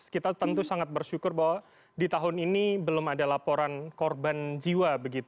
kita tentu sangat bersyukur bahwa di tahun ini belum ada laporan korban jiwa